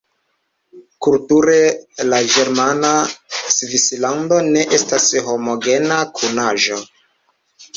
Kulture, la ĝermana Svislando ne estas homogena kunaĵo.